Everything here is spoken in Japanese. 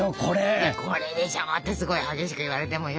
「これでしょ」ってすごい激しく言われてもよ。